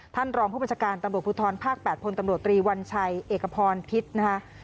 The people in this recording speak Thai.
ท่านรองผู้บัญชาการตำรวจภูทรภาค๘พลตำรวจตรีวัญชัยเอกพรพิษนะคะ